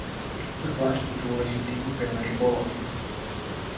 Zvlášť důležitý byl rybolov.